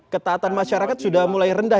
ketaatan masyarakat sudah mulai rendah